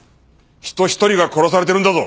人ひとりが殺されてるんだぞ！